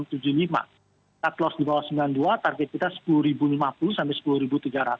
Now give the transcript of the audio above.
cut loss di bawah rp sembilan puluh dua target kita rp sepuluh lima puluh sampai rp sepuluh tiga ratus